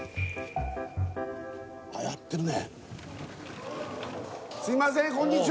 あっ、やってるね。